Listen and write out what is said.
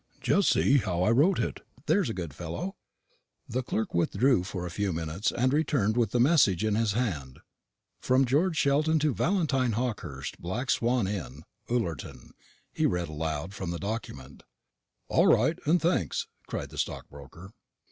"Just see how I wrote it, there's a good fellow." The clerk withdrew for a few minutes, and returned with the message in his hand. "From George Sheldon to Valentine Hawkehurst, Black Swan Inn, Ullerton," he read aloud from the document. "All right, and thanks," cried the stockbroker.